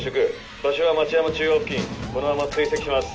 場所は町山中央付近このまま追跡します。